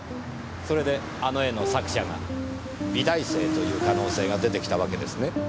それであの絵の作者が美大生という可能性が出てきたわけですね。